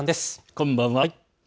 こんばんは。